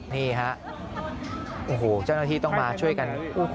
นี่ฮะโอ้โหเจ้าหน้าที่ต้องมาช่วยกัน